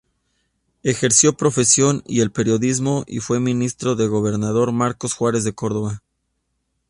Ejerció profesión y el periodismo, y fue ministro del gobernador Marcos Juárez de Córdoba.